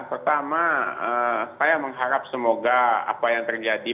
pertama saya mengharap semoga apa yang terjadi